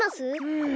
うん。